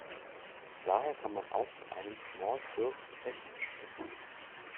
Daher kann man auch von einem „small-firm“ Effekt sprechen.